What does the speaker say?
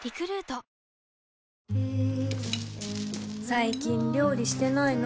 最近料理してないの？